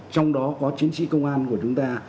trong đó có chiến sĩ công an của chúng ta